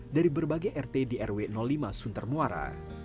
dari berbagai rt di rw lima suntar muara